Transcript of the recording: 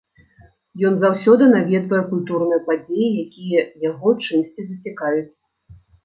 Ён заўсёды наведвае культурныя падзеі, якія яго чымсьці зацікавяць.